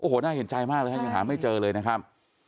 โอ้โหน่าเห็นใจมากเลยฮะยังหาไม่เจอเลยนะครับ